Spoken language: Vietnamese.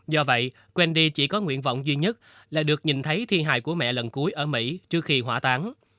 do vậy quendi chỉ có nguyện vọng duy nhất là được nhìn thấy thi hài của mẹ lần cuối ở mỹ trước khi hỏa tán